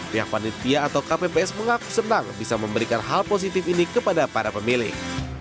pihak panitia atau kpps mengaku senang bisa memberikan hal positif ini kepada para pemilik